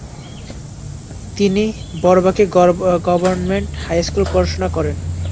তিনি Barabanki government high school পড়াশোনা করেন।